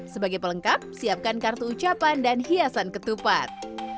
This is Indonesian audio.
sebagai pelengkap siapkan kartu ucapan dan hiasan ketupat